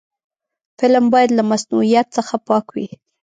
فلم باید له مصنوعیت څخه پاک وي